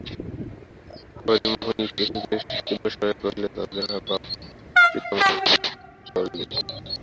হরিমোহিনী কিছু তীব্রস্বরে কহিলেন, ততদিন নাহয় বাপ-পিতামহর মতোই চলো-না।